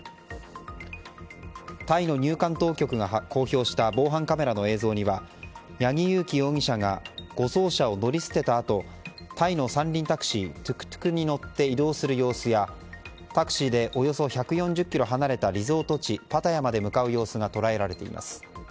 タイの入管当局が公表した防犯カメラの映像には八木佑樹容疑者が護送車を乗り捨てたあとタイの三輪タクシートゥクトゥクに乗って移動する様子やタクシーでおよそ１４０ｋｍ離れたリゾート地パタヤまで向かう様子が捉えられています。